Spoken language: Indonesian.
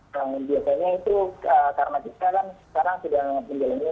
aktivitas seperti biasa hai tangan biasanya itu karena sekarang sekarang sudah menjalani